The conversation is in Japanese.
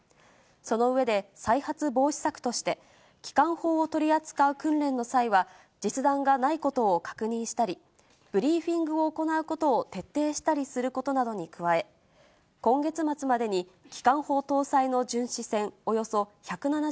その上で、再発防止策として、機関砲を取り扱う訓練の際は、実弾がないことを確認したり、ブリーフィングを行うことを徹底したりすることなどに加え、全国の皆さん、こんにちは。